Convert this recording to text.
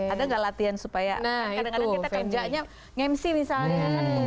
ada nggak latihan supaya kadang kadang kita kemja nya nge mc misalnya